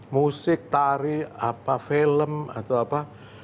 musik tari apa film atau apa